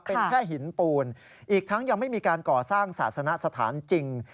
เป็นแค่หินปูนอีกทั้งยังไม่มีการก่อสร้างศาสนสถานจริง